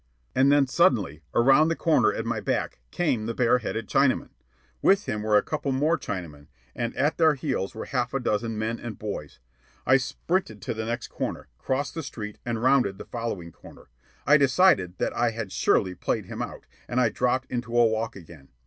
And then, suddenly, around the corner at my back, came the bare headed Chinaman. With him were a couple more Chinamen, and at their heels were half a dozen men and boys. I sprinted to the next corner, crossed the street, and rounded the following corner. I decided that I had surely played him out, and I dropped into a walk again.